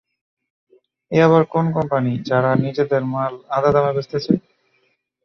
এ আবার কোন কোম্পানি যারা নিজেদের মাল আধা দামে বেচতেছে?